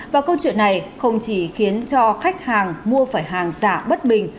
và câu chuyện này không chỉ khiến cho khách hàng mua phải hàng giả bất bình